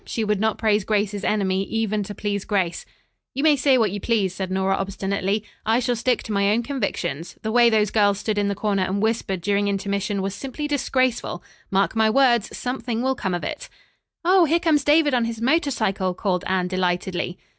She would not praise Grace's enemy, even to please Grace. "You may say what you please," said Nora obstinately, "I shall stick to my own convictions. The way those girls stood in the corner and whispered during intermission was simply disgraceful. Mark my words, something will come of it." "Oh, here comes David on his motorcycle," called Anne delightedly.